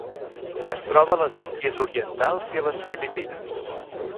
Es troba a les Índies Orientals i a les Filipines.